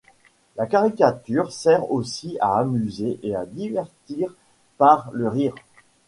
La caricature sert aussi à amuser et à divertir par le rire.